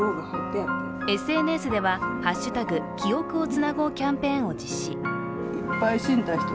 ＳＮＳでは「＃きおくをつなごう」キャンペーンを実施。